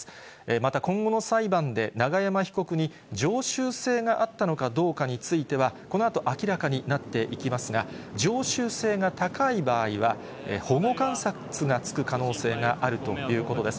また今後の裁判で永山被告に常習性があったのかどうかについては、このあと明らかになっていきますが、常習性が高い場合は、保護観察がつく可能性があるということです。